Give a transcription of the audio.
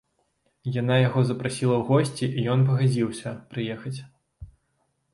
Яна яго запрасіла ў госці і ён пагадзіўся прыехаць.